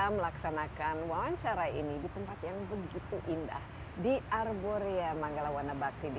melaksanakan wawancara ini di tempat yang begitu indah di arboria manggalawana bakti di